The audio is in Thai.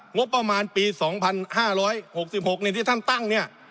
งบประมาณปีสองพันห้าร้อยหกสิบหกในที่ท่านตั้งเนี่ย